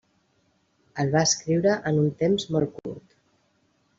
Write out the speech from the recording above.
El va escriure en un temps molt curt.